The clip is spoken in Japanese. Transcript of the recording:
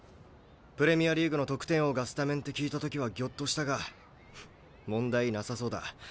プレミアリーグの得点王がスタメンって聞いた時はギョッとしたがフッ問題なさそうだ。